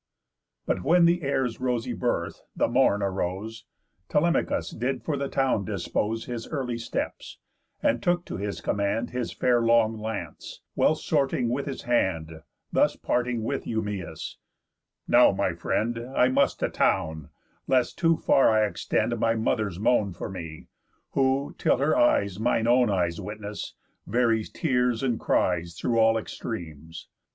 But when air's rosy birth, the morn, arose, Telemachus did for the town dispose His early steps; and took to his command His fair long lance, well sorting with his hand, Thus parting with Eumæus: "Now, my friend, I must to town, lest too far I extend My mother's moan for me, who, till her eyes Mine own eyes witness, varies tears and cries Through all extremes.